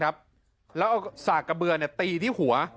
แล้วเอาสากกระเบือตีที่หัว